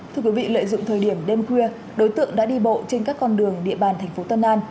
thưa quý vị lợi dụng thời điểm đêm khuya đối tượng đã đi bộ trên các con đường địa bàn thành phố tân an